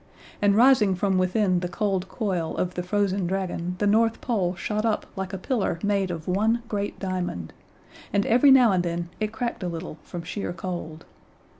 And rising from within the cold coil of the frozen dragon the North Pole shot up like a pillar made of one great diamond, and every now and then it cracked a little, from sheer cold.